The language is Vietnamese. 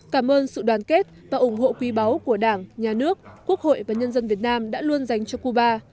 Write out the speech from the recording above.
cảm ơn sự đoàn kết và ủng hộ quý báu của đảng nhà nước quốc hội và nhân dân việt nam đã luôn dành cho cuba